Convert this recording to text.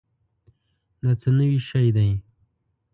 دا څه نوي شی دی؟